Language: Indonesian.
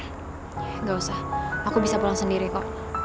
nggak usah aku bisa pulang sendiri kok